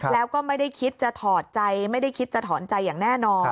แล้วก็ไม่ได้คิดจะถอดใจไม่ได้คิดจะถอนใจอย่างแน่นอน